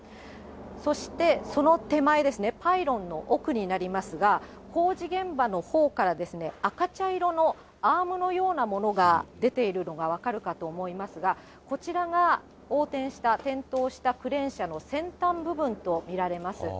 そしてその手前ですね、パイロンの奥になりますが、工事現場のほうから赤茶色のアームのようなものが出ているのが分かるかと思いますが、こちらが横転した、転倒したクレーン車の先端部分と見られます。